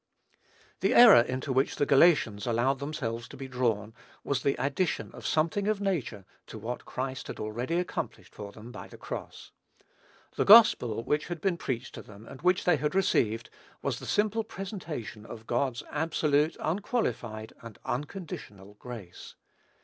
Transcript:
The error into which the Galatians allowed themselves to be drawn, was the addition of something of nature to what Christ had already accomplished for them by the cross. The gospel which had been preached to them and which they had received, was the simple presentation of God's absolute, unqualified, and unconditional, grace.